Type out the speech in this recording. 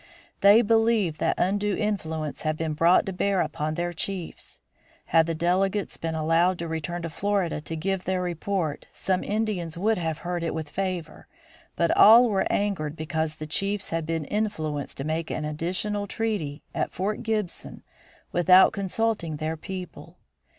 They believed that undue influence had been brought to bear upon their chiefs. Had the delegates been allowed to return to Florida to give their report, some Indians would have heard it with favor, but all were angered because the chiefs had been influenced to make an additional treaty at Fort Gibson without consulting their people.